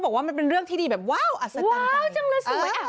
บอกว่ามันเป็นเรื่องที่ดีแบบว้าวอัศดาวจังเลยสวย